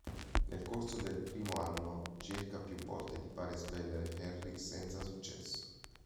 Nel corso del primo anno cerca più volte di far espellere Harry senza successo.